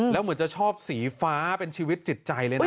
แล้วเหมือนจะชอบสีฟ้าเป็นชีวิตจิตใจเลยนะ